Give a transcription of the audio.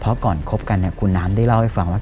เพราะก่อนคบกันคุณน้ำได้เล่าให้ฟังว่า